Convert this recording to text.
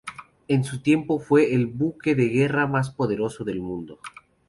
En su tiempo fue el buque de guerra más poderoso del mundo.